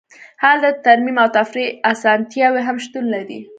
هلته د ترمیم او تفریح اسانتیاوې هم شتون لري